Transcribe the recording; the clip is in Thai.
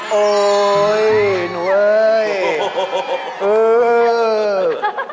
พี่บอลขา